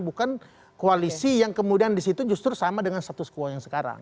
bukan koalisi yang kemudian disitu justru sama dengan status quo yang sekarang